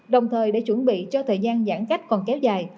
đồng thời để chuẩn bị cho thời gian giãn cách còn kéo dài